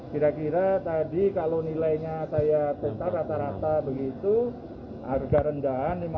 kira kira tadi kalau nilainya saya besar rata rata begitu harga rendahan lima puluh